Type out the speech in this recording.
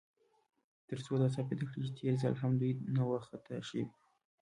تر څو دا ثابته کړي، چې تېر ځل هم دوی نه و خطا شوي.